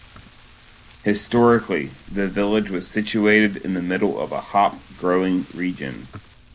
Historically, the village was situated in the middle of a hop-growing region.